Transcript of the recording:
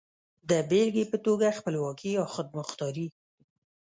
د بېلګې په توګه خپلواکي يا خودمختاري.